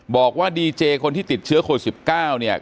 บอกว่าดีเจคนที่ติดเชื้อโควิด๑๙เนี่ย